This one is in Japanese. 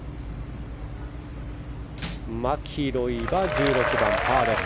マキロイは１６番、パーです。